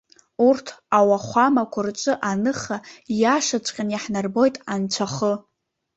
Урҭ ауахәамақәа рҿы аныха иашаҵәҟьан иаҳнарбоит анцәахы.